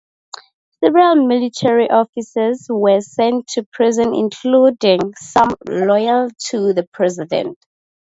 Several military officers were sent to prison, including some loyal to the president.